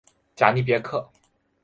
贾尼别克。